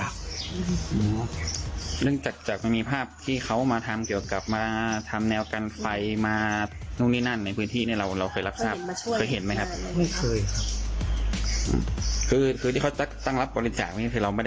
คือที่เขาตั้งรับบริจาคนี่คือเราไม่ได้เลยใช่ไหมครับ